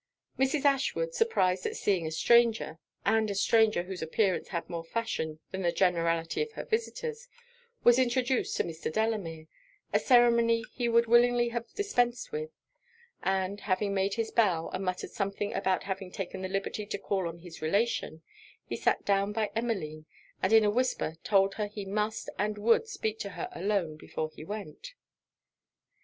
Mrs. Ashwood, surprized at seeing a stranger, and a stranger whose appearance had more fashion than the generality of her visitors, was introduced to Mr. Delamere; a ceremony he would willingly have dispensed with; and having made his bow, and muttered something about having taken the liberty to call on his relation, he sat down by Emmeline, and in a whisper told her he must and would speak to her alone before he went.